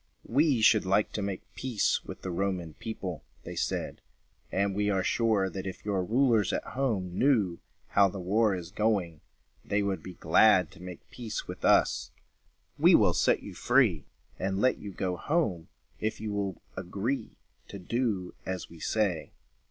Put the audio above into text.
"We should like to make peace with the Roman people," they said, "and we are sure, that, if your rulers at home knew how the war is going, they would be glad to make peace with us. We will set you free and let you go home, if you will agree to do as we say."